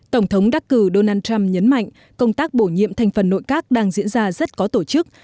tổng thống đắc cử donald trump nhấn mạnh công tác bổ nhiệm thành phần nội các đang diễn ra rất có tổ chức